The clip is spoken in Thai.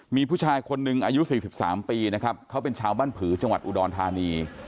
มีผู้ชายคนหนึ่งอายุ๔๓ปีนะครับเขาเป็นชาวบ้านผือจังหวัดอุดรธานี